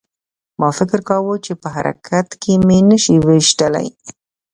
ما فکر کاوه چې په حرکت کې مې نشي ویشتلی